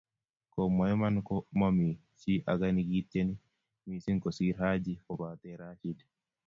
kawmwa iman ko momii chi age nikitieni mising kosir Haji kobate Rashid